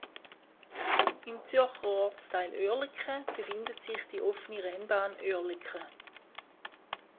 Im Zürcher Ortsteil Oerlikon befindet sich die Offene Rennbahn Oerlikon.